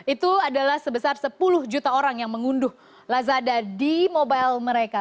itu adalah sebesar sepuluh juta orang yang mengunduh lazada di mobile mereka